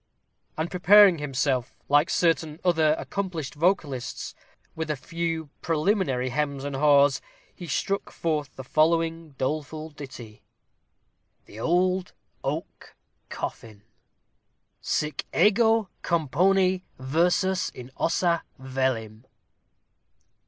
And preparing himself, like certain other accomplished vocalists, with a few preliminary hems and haws, he struck forth the following doleful ditty: THE OLD OAK COFFIN Sic ego componi versus in ossa velim.